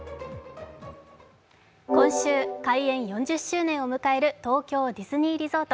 今週、開園４０周年を迎える東京ディズニーリゾート。